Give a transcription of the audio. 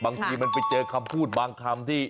บางทีมันไปเจอคำพูดบางคำที่